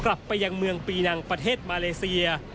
กลับไปยังเมืองปีนังประเทศมาเลเซีย